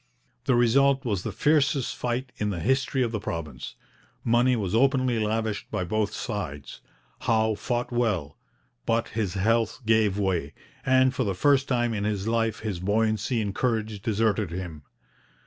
The result was the fiercest fight in the history of the province. Money was openly lavished by both sides. Howe fought well, but his health gave way, and for the first time in his life his buoyancy and courage deserted him.